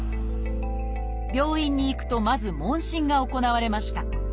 病院に行くとまず問診が行われました。